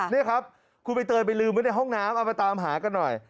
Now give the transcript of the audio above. นี่ครับคุณใบเตยไปลืมไว้ในห้องน้ำเอามาตามหากันหน่อย